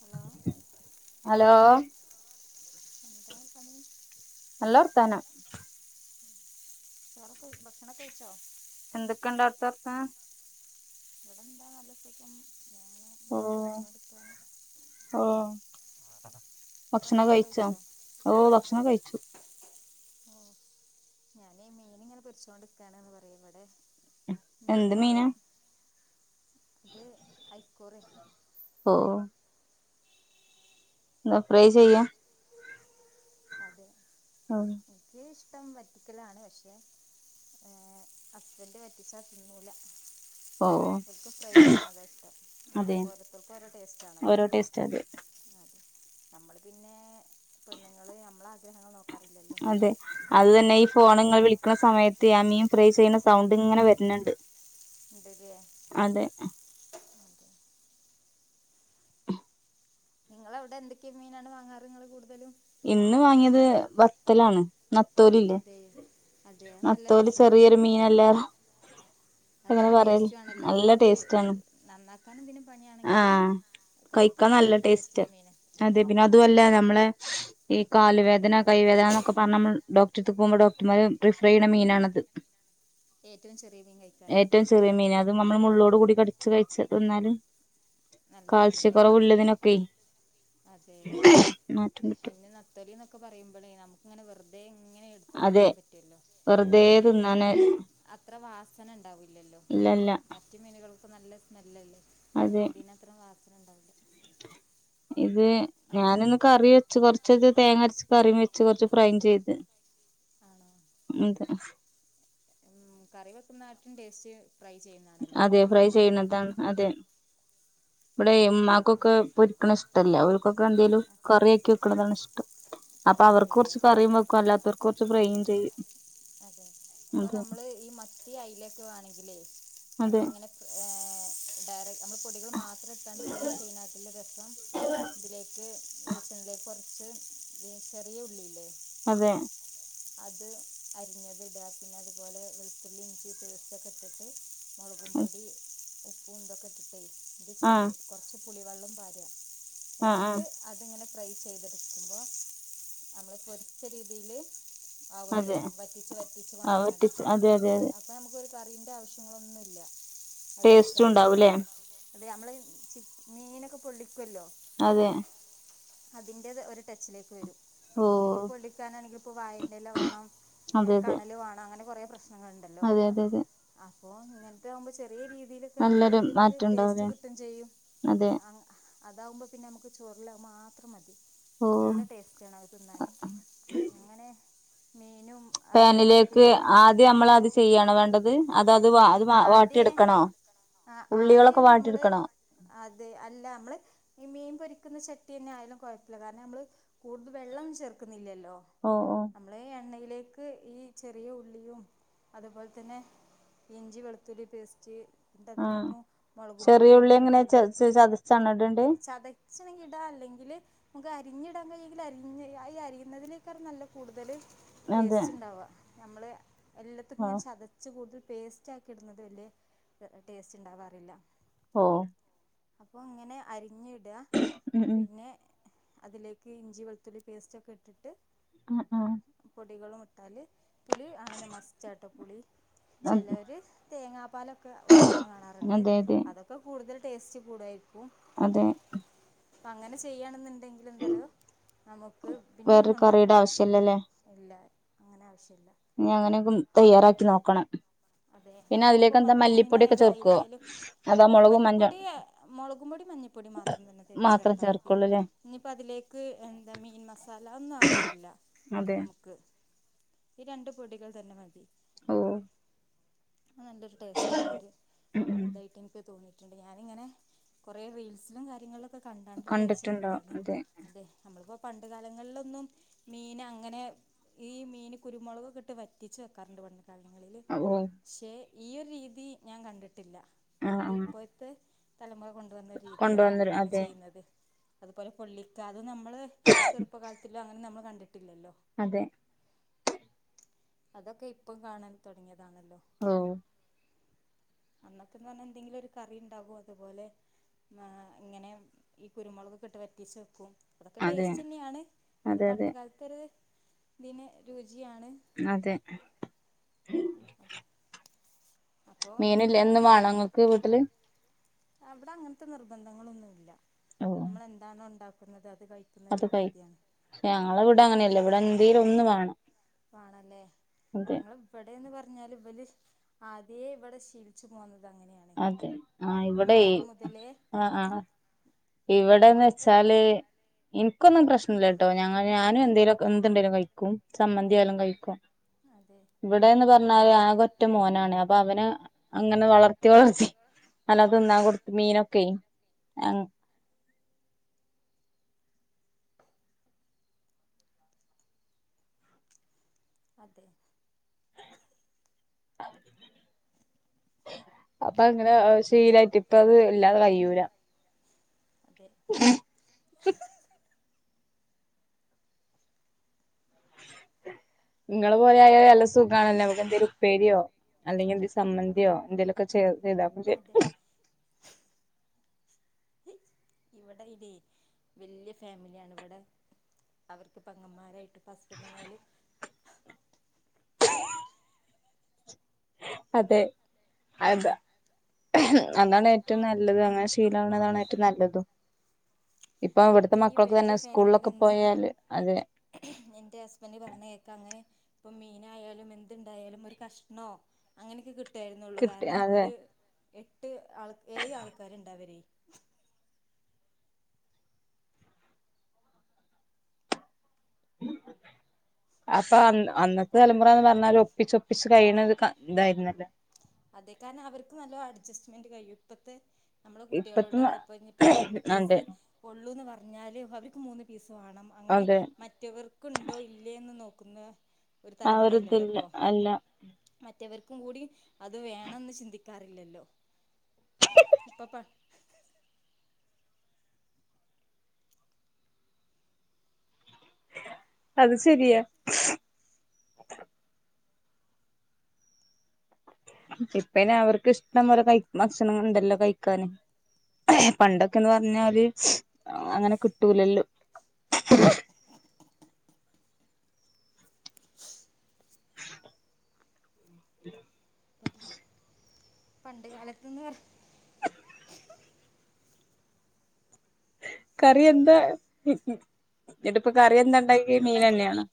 Hello hello എന്താ പണി നല്ല വർത്താനം ചോറൊക്കെ ബക്ഷണം കയ്ച്ചോ എന്തൊക്കണ്ട് അവ്ട്ത്തെ വർത്താനം ഇവിടെന്താ നല്ല സുഖം ഞാന് മീൻ പൊരിച്ചോണ്ട്ക്കാണ് ഓഹ് ഭക്ഷണൊ ഭക്ഷണമൊക്കെ കയിച്ചൊ കഴിച്ചോ ഓഹ് ഭക്ഷണം കയിച്ചു ഓഹ് ഞാന് മീന്ങ്ങനെ പൊരിച്ചോണ്ട്ക്കാണ്ന്ന് പറയ ഇവ്ടെ എന്ത് മീന് മീനാ വാണം ഇത് ഐക്കൂറെ ഓഹ് ഇങ്ങള് ഫ്രൈ ചെയ്യ അതേ ഉം ഇൻക്ക് ഇഷ്ട്ടം വറ്റിക്കലാണ് പക്ഷേ ഏഹ് ഹസ്ബന്റ വറ്റിച്ചാ തിന്നൂല ഓ ഓൽക്ക് ഫ്രൈ ചെയ്യ്ണത ഇഷ്ടം അതെ നമ്മക്ക് ഓരൊത്തർക്ക് ഓരോ ടേസ്റ്റാണല്ലൊ ഓരോ ടേസ്റ്റ് അതെ അദെ നമ്മള് പിന്നെ പെണ്ണ്ങ്ങള് നമ്മള ആഗ്രഹങ്ങൾ നോക്കാറില്ലല്ലോ അതെ അത് തന്നെ ഈ ഫോണങ്ങൾ ള് വിളിക്കണ സമയത്ത് മീം ഫ്രേ ചെയ്യുന്ന സൗണ്ട് ഇങ്ങനെ വരുന്നുണ്ട് ഉണ്ട്ല്ലേ അതെ ഓക്കെ നിങ്ങള്അവിടെ എന്തെക്കെ മിനാണ് വാങ്ങാറ് നിങ്ങള് കൂടതലും ഇന്ന് വാങ്ങിയത് വത്തലാണ് നത്തോലിഇല്ലേ അതെ അതെ അത് നല്ല നത്തോലി രസാണല്ലോ ചെറിയൊരു മീനല്ലാ അത് അങ്ങനെ നല്ല പറയ് ടേസ്റ്റും ആണല്ലോ നല്ല അത് ടേസ്റ്റ് ആണ് നന്നാക്കാനും ഇതിന് പണിയാണെങ്കിലും ആഹ് കഴിക്കാൻ കയിക്കാൻ നല്ല ടേസ്റ്റ് ടേസ്റ്റുള്ള മീനാ അതെ പിന്നെ അതുല്ല നമ്മളെ ഈ കാലുവേദന കൈവേദന എന്നൊക്കെ പറഞ്ഞ നമ്മൾ ഡോക്ടർക്ക് പോവുമ്പോ ഡോക്ടർമാര് റിഫ്രയിണ മീനാണത് ഏറ്റവും ചെറിയമീൻ കഴിക്കാന ഏറ്റവും ചെറിയ മീന അത് നമ്മള് മുള്ളോട് കൂടി കടിച്ച് കയിച്ച് തിന്നാലും നല്ലതാണല്ലേ കാൽസ്യക്കുറവുള്ളതിനൊക്കെ അതെ മാറ്റം കിട്ടും പിന്നെ നത്തോലി എന്നൊക്കെ പറയുമ്പളെ നമക്ക് ഇങ്ങനെവെറുതെ ഇങ്ങനെ എട്ത്ത് തിന്നാ അതെ പറ്റുല്ലോ വെറുതെ പിന്നെ തിന്നാന് അത്ര വാസന ഇണ്ടാവില്ലല്ലോ ഇല്ലല്ല മറ്റ റ്റ്മീനുകൾക്ക് നല്ല സ്മെല്ലല്ലേ അതെ ഇതിനത്രയും വാസനണ്ടാവില്ല ഇത് ഞാനൊന്ന് കറി വെച്ച് കൊറച്ചത് തേങ്ങ അരച്ച് കറിയും വെച്ച് കൊറച്ച് ഫ്രൈയും ചെയ്ത് ആണോ ഉം അതെ ങ്ഉ കറി വെക്കുന്ന ആറ്റും ടേസ്റ്റ് ഫ്രൈ ചെയ്യുന്ന അതെ ഫ്രൈ ചെയ്യണതാണ് അതെ ഇവിടെ ഇമ്മാക്കൊക്കെ പൊരിക്കണ ഇഷ്ടല്ല അവർക്കൊക്കെ എന്തേലും കറിയക്കി വെക്കണതാണ് ഇഷ്ടം അപ്പ അവർക്ക് അതെയോ കുറച്ച് കറിയും വെക്കും അല്ലാത്തവർക്ക് കുറച്ച് ഫ്രെയും ചെയ്യും അതെ പ്പനമ്മള് ഈമത്തി അയലേക്കെ വേണങ്കിലെ അതെ നമ്മളിങ്ങനെ ഡയറക്ട് നമ്മള് പൊടികൾ മാത്രം ഇട്ടാണ്ട് ഫ്രൈ ചെയ്യണത്‌ല് രസം ഇതിലേക്ക് വെളിച്ചണ്ണയിലേക്ക് കുറച്ച് ചെറിയ ഉള്ളില്ലേ അതെ അത് അരിഞ്ഞത് ഇട പിന്നെ അത് പൊലെ വെളുത്തുള്ളി ഇഞ്ചി പേസ്റ്റൊക്കെ ഇട്ടിട്ട് മുളകും പൊടി ഉപ്പും ഇതൊക്ക ഇട്ടിട്ടെ മിക്സ് ആഹ് ചെയ്ത് കു- ർച്ച് പുളിവെള്ളും പാര ആഹ് ആഹ് എന്നിട്ട് അത്ങ്ങനെ ഫ്രൈ ചെയ്തെട്ക്കുമ്പൊ നമ്മൾ പൊര്ച്ച രീതീല് ആവല്ലൊ അതെ വറ്റിച്ച് വറ്റിച്ച് ആഹ് കൊണ്ടന്നാ മതി വറ്റിച്ച് അതെ അതെ അതെ അപ്പ നമുക്കൊര് കറിന്റാവ്ശ്യങ്ങളൊന്നുല്ല അത് ടേസ്റ്റും കയ്ക്കാണെങ്കില് ഉണ്ടാവൂല്ലേ അതെ നമ്മള് ചി മീനൊക്കെ പൊള്ളിക്കൊല്ലോ അതെ അതിന്റെത് ഒര് ടെച്ചിലേക്ക് വരും ഓ പ മീൻ പൊള്ളിക്കാനാണെങ്കി ഇപ്പ വായന്റെല വണം അതെ അതെ കണല് വാണങ്ങന കൊറെ പ്രശ് നങ്ങള്ണ്ടല്ലൊ അതെ അതെ അതെ അപ്പൊ ഇങ്ങൻത്തതാവുമ്പൊ ചെറിയ രീതീല് ക്കെ നല്ലൊരു നമക്കയ്ൻ്റെര് മാറ്റം ടേസ്റ്റ് ഉണ്ടാവുല്ലേ കിട്ടും ചെയ്യും അതെ അങ്ങ അതാവുമ്പ പിന്നമ്മക്ക് ചോറിലവ്മാത്രം മതി ഓ നല്ല ടേസ്റ്റാണത് അത്‌ തിന്നാന് അങ്ങനെ മീനും പാനിലേക്ക് മത്തിമീനും ആദ്യം നമ്മളത് ചെയ്യാണൊ വേണ്ടത് അതത് വ അത് വ വാ ട്ടി എടുക്കണോ അഹ് ആദ്യം നമ്മള് അതെ അല്ല നമ്മള് ഈ മീൻ പൊരിക്ക്ന്ന ചട്ടി തന്നെ ആയ് ഇല്ല കൊഴപ്പം ഇല്ല കാരണം നമ്മള് കൂട്തൽ വെള്ളം ചേർക്കുന്നില്ലല്ലോ ഓഹ് ഓഹ് നമ്മള് എണ്ണയിലേക്ക് ഈ ചെറിയ ഉള്ളിയും അതുപോലെ തന്നെ ഇഞ്ചി വെളുത്തുള്ളി പേസ്റ്റ് എന്നിട്ട് ആഹ് അതിലേക്കും മൊളകും ചെറിയ പൊടിം ഉള്ളി മഞ്ഞ എങ്ങനെ ച പൊടിം ചതച്ചാണോ ഇടണ്ടേ ചത ച്ച്ണെങ്കി ഇടാ അല്ലെങ്കില് നമ്മക്ക് അരിഞ്ഞിടാൻ കഴിയെങ്കില് അരിഞ്ഞ് ഈ അത് ഈ അരിയുന്നതിനേക്കാരം നല്ലത് കൂട്തല് അതെ ടേസ്റ്റ് ഉണ്ടാവ നമ്മള് എല്ലത്തിക്കും ആ ഇങ്ങനെ ചത ച്ച് കൂടുതല് പേസ്റ്റ് ആക്കി ഇടുന്നത് വല്യെ ടേസ്റ്റ് ഉണ്ടാവാറില്ല. ഓഹ് അപ്പൊ അങ്ങനെ അരിഞ്ഞ് ഇടുക ഉം ഉം പിന്നെ അതിലേക്ക് ഇഞ്ചി വെളുത്തുള്ളി പേസ്റ്റ് ഒക്കെ ഇട്ടിട്ട് ആഹ് ആഹ് പൊടികളും ഇട്ടാല് പുളി ആവ്ണന്ന് മസ്റ്റാ ട്ടൊ പുളി ആ ചെലവര് തേങ്ങാപ്പാല് ഒക്കെ ഒഴിക്കുന്നത് കാണാറ്ണ്ട് അതെ അതെ അതൊക്കെ കൂട്തൽ ടേസ്റ്റ് കൂടുവായിര്ക്കും. അതെ അങ്ങനെ ചെയ്യണാന്ന് പിന്നെ എന്താ അറിയൊ നമുക്ക് പിന്നെ ഒന്നും വേറൊരു കറിയുടെ ഉണ്ടാക്കേണ്ട ആവശ്യം ഇല്ല. ആവശ്യല്ലല്ലേ ഇല്ല അങ്ങനെ ആവശ്യം ഇല്ല. ഇനി അങ്ങനെ ഒക്കും തയ്യാറാക്കി നോക്കണം. അതെ പിന്നെ നമുക്ക് അതിലേക്ക് ഇപ്പം എന്താ മത്തി മല്ലിപ്പൊടിയൊക്കെ മീനായാലും അയ്ല ചേർക്കുവോ ആയാലും അതാ മുളകും മഞ്ഞ മല്ലിപ്പൊടി മൊളകും പൊടിം മഞ്ഞ പൊടീം മാത്രം തന്നെ മാത്രം ചേർത്താ മതി. ചേർക്കുള്ളൂല്ലേ ഇനി ഇപ്പൊ അതിലേക്ക് എന്ത മീൻ മസാല അത് ഒന്നും ആവശ്യം ഇല്ല അതെ നമുക്ക് ഈ രണ്ട് പൊടികൾ തന്നെ മതി. ഓഹ് അത് നല്ലൊരു ടേസ്റ്റ് ഉള്ള ഒര് ഉം ഉം ഇത് ആയിട്ട് ഇൻക്ക് തോന്നി. ക്കെണ്ട് ഞാന് ഇങ്ങനെ കൊറേ റീൽസിലും കാര്യങ്ങളിലും ഒക്കെ കണ്ടാണ്ട് ട്രൈ ചെയ്തതാണ്. അതെ നമ്മള് ഇപ്പൊ പണ്ട് കാലങ്ങളിലൊന്നും മീന് അങ്ങനെ ഈ മീന് കുരുമൊളക് ഒക്കെ ഇട്ട് വറ്റിച്ച് വെക്കാറുണ്ട് പണ്ട് കാലങ്ങളില് ഓഹ് പക്ഷെ ഈ ഒരു രീതി ഞാൻ കണ്ടിട്ട്ല്ല. ആ അത് ആ ഇപ്പോഴത്തെ തലമുറ കൊ ണ്ടു വന്ന രീതിയാണല്ലോ കൊണ്ടുവന്നരു ഇങ്ങനെ അതെ ചെയ്യുന്നത് അത് പോലെ പൊള്ളിക്കാതെ നമ്മളെ ചെറുപ്പകാലത്ത് ല് അങ്ങനെ നമ്മള് കണ്ടിട്ടില്ലല്ലോ അതെ അതൊക്കെ ഇപ്പം കാണാൻ തൊടങ്ങിയതാണല്ലോ ഓഹ് അന്നെത്തെ എന്ന് പറഞ്ഞാൽ എന്തെങ്കിലൊരു കറി ഉണ്ടാകോ അതുപോലെ മാ ഇങ്ങനെ ഈ കുരുമൊളക് ഒക്കെ ഇട്ട് വറ്റിച്ച് വെക്കും അതൊക്കെ അതെ ടേസ്റ്റ് തന്നെ ആണ് അത് അതെ അതെ പണ്ട് കാലത്ത് ഒര് ഇതിന് രുചി ആണ്. അതെ അപ്പോൾ മീന് ഇല്ലെ എന്നും വാണോ ഇങ്ങക്ക് വീട്ടില് ആഹ് ഇവടെ അങ്ങൻത്തെ നിർബന്ധങ്ങള് ഒന്നുല്ല ഓ നമ്മള് എന്താണോ ഇണ്ടാക്ക്ന്നത് അത് കഴി അത് കഴി ഏഹ് ഞങ്ങളെ ഇവടെ അങ്ങനെ അല്ല ഇവടെ എന്തേലും ഒന്ന്‌ വാണം. വാണം ഇല്ലേ ഞങ്ങള് വ്ടെന്ന് പർഞ്ഞാല് ഇവല് ആദ്യേ ഇവ്ടെ ശീലിച്ച് പോന്നത് അങ്ങനെയാ അതെ ആഹ് ഇവടേയ് ഹ് അഹ് ആഹ് ഇവടെന്ന്ച്ചാല് ഇൻ ഇക്കൊന്നും പ്രശ്നല്ലട്ടോ ഞങ്ങ ഞാനും അതെ എന്തേലൊകെ ഏന്ത്ണ്ടേലും കഴിക്കും അതെ ചമ്മന്ത്യാലും കയിക്കും അതെ ഇവ്ടേന്ന് പറ്ഞാല് ആകെ ഒറ്റ മോനാണ് അ പ്പൊ അവനെ അങ്ങനെ വളർത്തി വളർത്തി നല്ലോം തിന്നാം കൊട്ത്ത് മീനൊക്കെയ് എങ് അതെ. അപ്പൊങ്ങനെ അഹ് ശീലായിട്ട് പ്പത് ഇല്ലാതെ കയ്യൂലാ അതെ ച്ച്.. മ് ഇങ്ങളെ പോലയായ നല്ല സുഖാണല്ലൊ അമ്മക്കെന്തേലു ഉപ്പേര്യോ അല്ലെങ്കിന്തെ സമ്മന്ത്യോ എന്തെലു ക്കെ ചേറ്തിടാ അപ്പൊ ശെരിക്കും ചൂം.. ഹ് ഇവെടെ ഇതെ വെല്യ ഫാമില്യാണ് ഇവ്ടെ അവർക്ക് പെങ്ങന്മാരായിട്ട് ഇപ്പൊ ഹസ്ബന്റിനായ്ലും അതെ. അതാ. അതാണേറ്റവും നല്ലത് അങ്ങനെ ശീലാവ്ണതാണേറ്റവും നല്ലതും ഇപ്പൊ അവ്ട്ത്തെ അപ്പൊ ഈ വല്യ മക്കൾക്കെന്നെ സ്കൂൾലൊക്കെ ഫാമിലിയിലൊന്നും പോയാല് അതെ എന്റെ ഹസ്ബന്റ് പറഞ്ഞേക്കാ അങ്ങനെ ഇപ്പം മീനായാലും എന്ത്ണ്ടായാലും ഒര്കഷ്ണോ അങ്ങനൊക്കെ കിട്ട് ട്ടായിരുന്നുള്ളൂ കിട്ടി കാര്ണം അതെ ഓല് എട്ട് ആള് ഏഴ് ആള്ക്കാര്ണ്ടവരേയ് അപ്പൊ അൻ അന്നത്തെ തലമുറാന്ന് പറ്ഞ്ഞാല് ഒപ്പിച്ചൊപ്പിച്ച് കഴിണത് കാ ഇതായിര്ന്നല്ലോ. അതേ കാരന്നം അവര്ക്ക് നല്ല അഡ്ജസ്റ്റ്മെന്റ് കയും ഇപ്പത്തെ നമ്മളെ ഇപ്പത്തെ കുട്ട്യേളോടൊക്കെപ്പൊ ഇഞ്ഞിപ്പോ ഒരണ്ട് അതെ പീസ് ഒള്ളൂന്ന് പർഞ്ഞാല് അവര്ക്ക് മൂന്ന് പീസ് വാണം അങ്ങനെ അതെ മറ്റവർക് ക്ക്ണ്ടോ ഇല്ലേന്ന് നോക്ക്ന്ന ഒര് ആ തലമുറയല്ലല്ലോ ഒരിതില്ല ഇപ്പൊ അല്ല മറ്റവര്ക്കും കൂടി അത് വേണന്ന് ചിന്തിക്കാറില്ലല്ലോ ഇപ്പൊപ്പ അത് ശെരിയാ. ഇപ്പൈനവർക്ക് ഇഷ്ടം പോലെ കൈ ഭക്ഷണങ്ങള്ണ്ടല്ലോ കയിക്കാന്. പണ്ടൊക്കെന്ന് പർഞ്ഞാല് അങ്ങനെ കിട്ടൂലല്ലോ പണ്ട്കാലത്ത്ന്ന് കറി എന്താ ഇന്നട്ട്പ്പ കറിയെന്താണ്ടാക്കി മീനന്നാണോ